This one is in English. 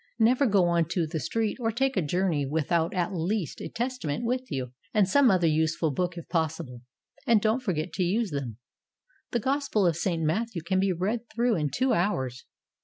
Never go on to the street or take a journey without at least a Testament with you, and some other useful book if possible. And don't forget to use them. The Gospel of St. Matthew can be read through in two hours.